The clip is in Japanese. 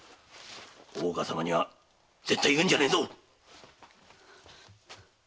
大岡様には絶対言うんじゃねえぞ！